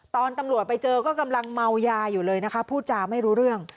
ตอนตำรวจไปเจอก็กำลังเมายาอยู่เลยนะคะพูดจาไม่รู้เรื่อง